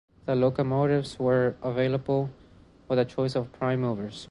The locomotives were available with a choice of prime movers.